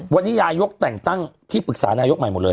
วันนี้นายกแต่งตั้งที่ปรึกษานายกใหม่หมดเลย